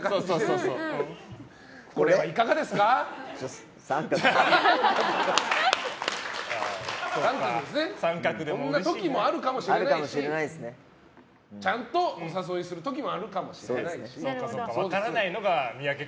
そんな時もあるかもしれないしちゃんとお誘いする時もあるかもしれないし。